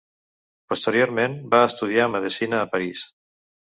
Posteriorment va estudiar Medicina a París.